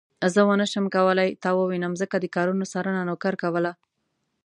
زه ونه شوم کولای تا ووينم ځکه د کارونو څارنه نوکر کوله.